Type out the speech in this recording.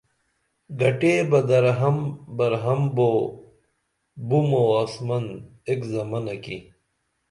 گٹیے بہ درہم برہم بو بُم او آسمن ایک زمنہ کی